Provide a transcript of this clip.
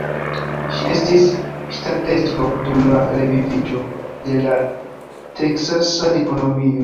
Si estis ŝtatestro dum la reviviĝo de la Teksasa ekonomio.